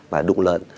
và đụng lợn